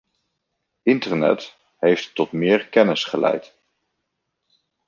Internet heeft tot meer kennis geleid.